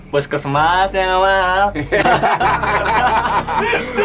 bos kesempat yang awal